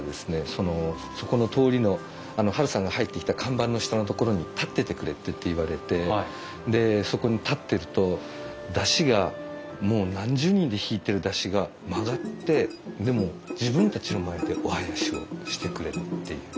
そのそこの通りのハルさんが入ってきた看板の下の所に立っててくれって言われてでそこに立ってると山車がもう何十人で引いてる山車が曲がってでもう自分たちの前でお囃子をしてくれたっていう。